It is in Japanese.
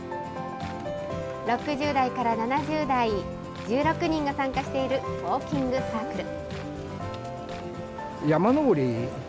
６０代から７０代、１６人が参加しているウォーキングサークル。